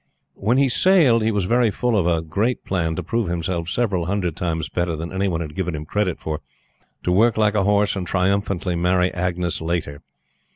When he sailed, he was very full of a great plan to prove himself several hundred times better than any one had given him credit for to work like a horse, and triumphantly marry Agnes Laiter.